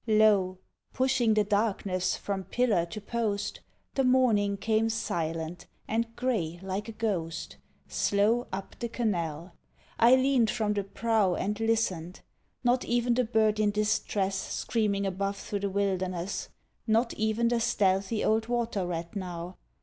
Lo! pushing the darkness from pillar to post, The morning came silent and gray like a ghost Slow up the canal. I leaned from the prow And listened. Not even the bird in distress Screaming above through the wilderness; Not even the stealthy old water rat now.